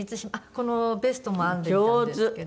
このベストも編んでみたんですけど。